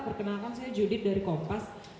perkenalkan saya judit dari kompas